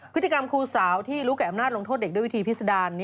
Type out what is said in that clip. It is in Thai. พฤติกรรมครูสาวที่รู้แก่อำนาจลงโทษเด็กด้วยวิธีพิษดาร